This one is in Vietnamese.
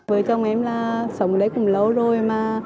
vợ chồng em là sống đấy cũng lâu rồi mà